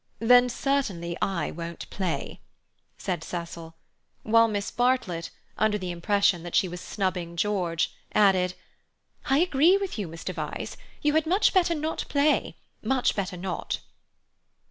"Then certainly I won't play," said Cecil, while Miss Bartlett, under the impression that she was snubbing George, added: "I agree with you, Mr. Vyse. You had much better not play. Much better not."